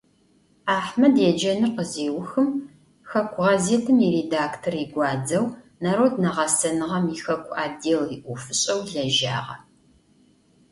Ахьмэд еджэныр къызеухым, хэку гъэзетым иредактор игуадзэу, народнэ гъэсэныгъэм ихэку отдел иӀофышӀэу лэжьагъэ.